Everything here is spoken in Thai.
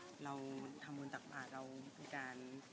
ทำวนตักบาทเราเป็นการ